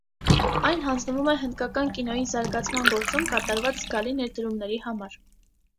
Այն հանձնվում է հնդկական կինոյի զարգացման գործում կատարված զգալի ներդրումների համար։